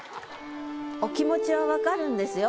お気持ちは分かるんですよ。